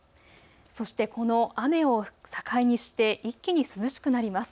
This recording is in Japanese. そしてこの雨を境にして一気に涼しくなります。